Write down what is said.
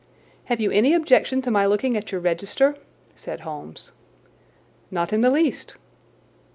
"Have you any objection to my looking at your register?" said Holmes. "Not in the least."